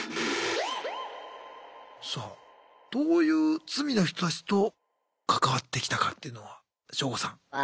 さあどういう罪の人たちと関わってきたかっていうのはショウゴさん。